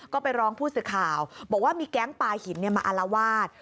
ก็ไปร้องผู้สื่อข่าวบอกว่ามีแก๊งปลาหินมาอารวาส